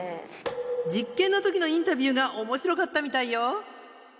実験の時のインタビューが面白かったみたいよ。